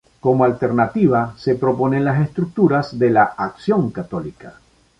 Como alternativa se proponen las estructuras de la Acción Católica.